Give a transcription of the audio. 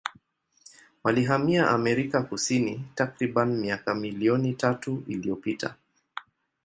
Walihamia Amerika Kusini takribani miaka milioni tatu iliyopita.